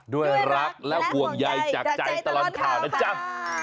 ด้วยรักและห่วงใยจากใจตลอดข่าวนะจ๊ะ